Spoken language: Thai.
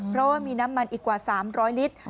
เพราะว่ามีน้ำมันอีกกว่า๓๐๐ลิตร